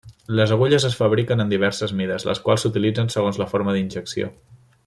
Les agulles es fabriquen en diverses mides, les quals s'utilitzen segons la forma d'injecció.